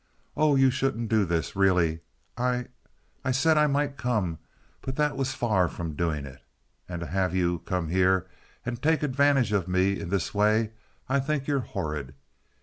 "Oh, you shouldn't do this! Really! I—I said I might come, but that was far from doing it. And to have you come here and take advantage of me in this way! I think you're horrid.